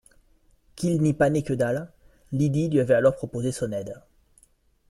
qu’il n’y panait que dalle. Lydie lui avait alors proposé son aide